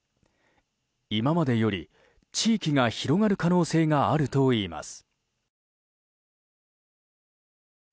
今までより地域が広がる可能性があるといいます。